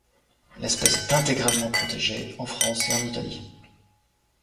L'espèce est intégralement protégée en France et en Italie.